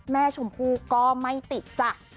แม่ชมพูก็ไม่ติดจ้ะ